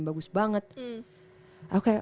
bagus banget oke